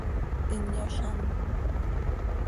Hin yozám.